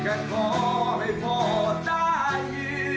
แม้ร้องหายน้ำตาไหลทั่วแผ่นนี้